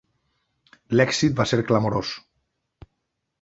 L'èxit va ser clamorós.